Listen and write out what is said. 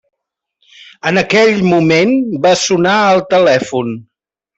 En aquell moment va sonar el telèfon.